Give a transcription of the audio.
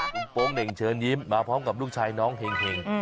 คุณโป๊งเหน่งเชิญยิ้มมาพร้อมกับลูกชายน้องเห็ง